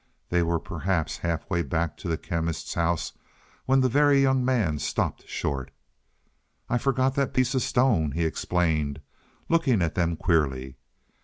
They were perhaps half way back to the Chemist's house when the Very Young Man stopped short. "I forgot that piece of stone," he explained, looking at them queerly.